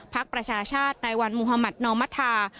พักประชาชาตินายวัลมุฮมัธนอมมัธา